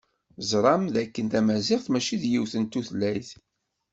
Teẓram d akken Tamaziɣt mačči d yiwet n tutlayt.